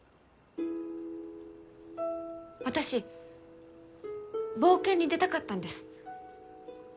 私冒険に出たかったんです。